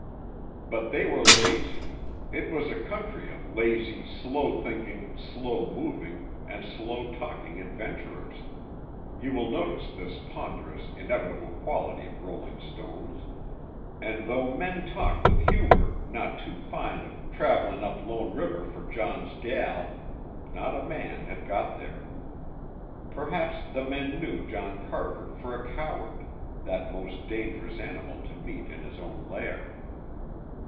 But they were lazy. It was a country of lazy, slow thinking, slow moving, and slow talking adventurers you will notice this ponderous, inevitable quality of rolling stones and though men talked with humor not too fine of "travelin' up Lone River for John's gel," not a man had got there. Perhaps the men knew John Carver for a coward, that most dangerous animal to meet in his own lair.